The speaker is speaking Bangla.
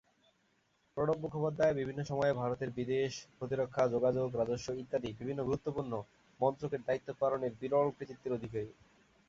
প্রণব মুখোপাধ্যায় বিভিন্ন সময়ে ভারতের বিদেশ, প্রতিরক্ষা, যোগাযোগ, রাজস্ব ইত্যাদি বিভিন্ন গুরুত্বপূর্ণ মন্ত্রকের দায়িত্ব পালনের বিরল কৃতিত্বের অধিকারী।